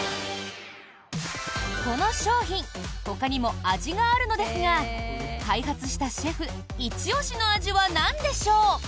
この商品ほかにも味があるのですが開発したシェフ一押しの味はなんでしょう？